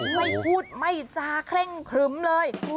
ไม่พูดไม่จาเคร่งครึมเลย